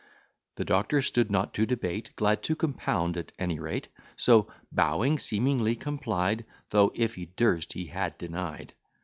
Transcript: The Doctor stood not to debate, Glad to compound at any rate; So, bowing, seemingly complied; Though, if he durst, he had denied.